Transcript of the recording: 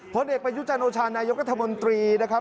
เพราะเด็กประยุจจันทร์โอชารนายกระทะมนตรีนะครับ